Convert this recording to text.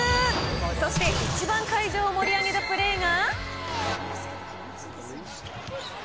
そして、一番、会場を盛り上げたプレーが。